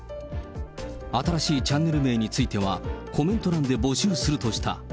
新しいチャンネル名については、コメント欄で募集するとした。